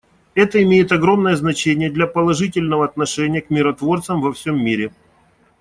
Это имеет огромное значение для положительного отношения к миротворцам во всем мире.